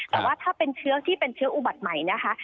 แต่ว่าถ้าเป็นเชื้อที่เป็นเชื้ออุบัติใหม่นะคะ